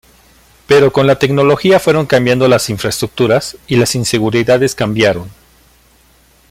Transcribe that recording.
Pero con la tecnología fueron cambiando las infraestructuras y las inseguridades cambiaron.